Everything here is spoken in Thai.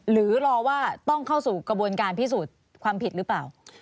หรือรอว่าต้องเข้าสู่กระบวนการพิสูจน์ความผิดหรือเปล่า